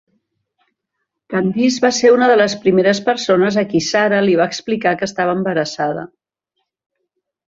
Candice va ser una de les primeres persones a qui Sarah li va explicar que estava embarassada.